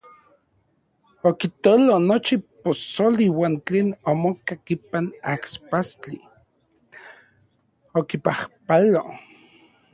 Okitolo nochi posoli uan tlen omokak ipan ajpastli, okipajpalo.